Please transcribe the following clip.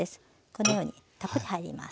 このようにたっぷり入ります。